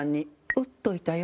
「打っといたよ」